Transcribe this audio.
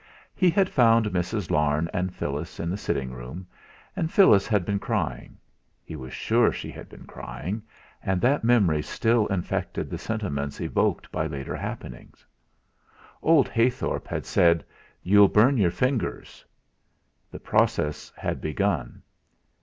He had found Mrs. Larne and Phyllis in the sitting room, and Phyllis had been crying; he was sure she had been crying; and that memory still infected the sentiments evoked by later happenings. Old Heythorp had said: "You'll burn your fingers." The process had begun.